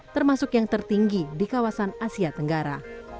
termasuk yang tertinggi di kawasan asia tenggara